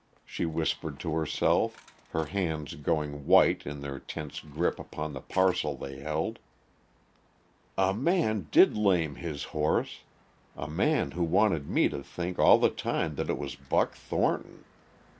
she whispered to herself, her hands going white in their tense grip upon the parcel they held. "A man did lame his horse, a man who wanted me to think all the time that it was Buck Thornton.